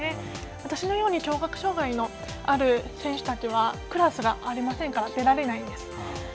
私のように聴覚障がいのある選手たちはクラスがありませんから出られないんです。